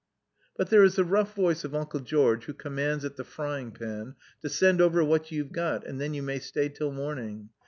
But there is the rough voice of Uncle George, who commands at the frying pan, to send over what you've got, and then you may stay till morning.